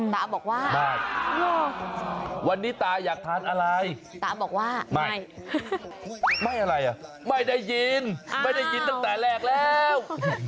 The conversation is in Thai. ตาบอกว่าไม่วันนี้ตาอยากทานอะไรตาบอกว่าไม่ไม่อะไรอ่ะไม่ได้ยินไม่ได้ยินตั้งแต่แรกแล้ว